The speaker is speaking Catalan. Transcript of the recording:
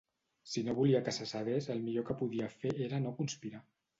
Si no volia que se sabés el millor que podia fer era no conspirar.